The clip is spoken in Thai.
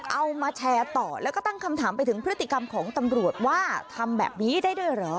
เอามาแชร์ต่อแล้วก็ตั้งคำถามไปถึงพฤติกรรมของตำรวจว่าทำแบบนี้ได้ด้วยเหรอ